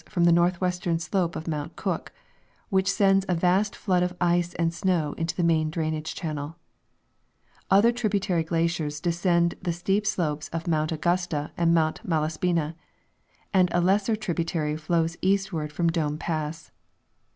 from the northwestern slope of Mount Cook, which sends a vast flood of ice and snow into the main drainage channeL Other tributary glaciers descend the steep slopes of Mount Augusta and Mount Malaspina, and a lesser tributary flows eastward . from Dome pass.